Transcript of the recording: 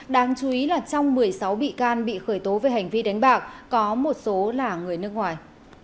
đáng chú ý là trong một mươi sáu bị can bị khởi tố về hành vi đánh bạc có một số là người nước ngoài